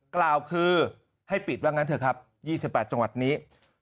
กล่าวคือให้ปิดว่างั้นเถอะครับ๒๘จังหวัดนี้